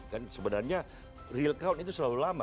kan sebenarnya real count itu selalu lama